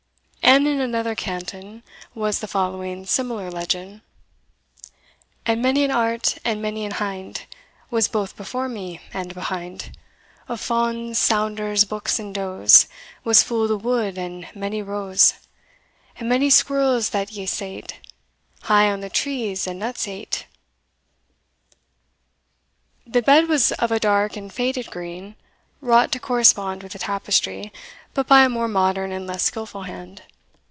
And in another canton was the following similar legend: And many an hart and many an hind, Was both before me, and behind. Of fawns, sownders, bucks and does, Was full the wood and many roes, And many squirrels that ysate High on the trees and nuts ate. The bed was of a dark and faded green, wrought to correspond with the tapestry, but by a more modern and less skilful hand.